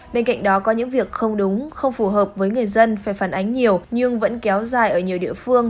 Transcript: bên cạnh đó có những việc không đúng không phù hợp với người dân phải phản ánh nhiều nhưng vẫn kéo dài ở nhiều địa phương